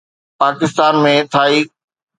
Pakistan ۾ tie